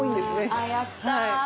あやった。